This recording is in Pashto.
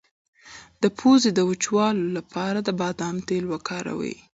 د پوزې د وچوالي لپاره د بادام تېل وکاروئ